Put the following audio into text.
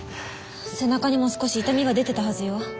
背中にも少し痛みが出てたはずよ。